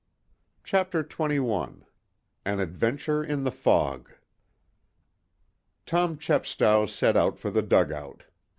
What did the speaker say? CHAPTER XXI AN ADVENTURE IN THE FOG Tom Chepstow set out for the dugout.